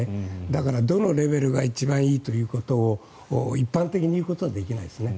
だから、どのレベルが一番いいということを一般的に言うことはできないですね。